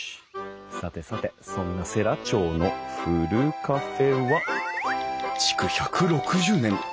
さてさてそんな世羅町のふるカフェは？